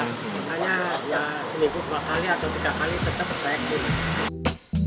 makanya ya satu dua kali atau tiga kali tetap saya kunjungi